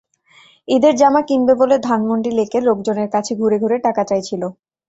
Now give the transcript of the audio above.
ঈদের জামা কিনবে বলে ধানমন্ডি লেকে লোকজনের কাছে ঘুরে ঘুরে টাকা চাইছিল।